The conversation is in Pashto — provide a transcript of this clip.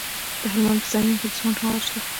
د هلمند په سنګین کې د سمنټو مواد شته.